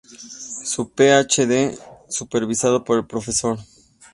Su PhD, supervisado por el Prof.